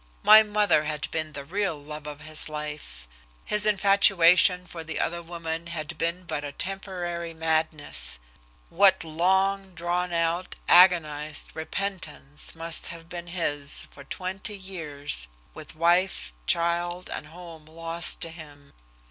My mother had been the real love of his life. His infatuation for the other woman had been but a temporary madness. What long drawn out, agonized repentance must have been his for twenty years with wife, child and home lost to him!